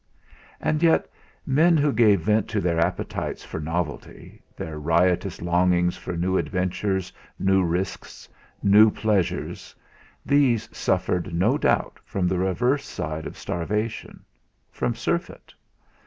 And yet, men who gave vent to their appetites for novelty, their riotous longings for new adventures, new risks, new pleasures, these suffered, no doubt, from the reverse side of starvation, from surfeit.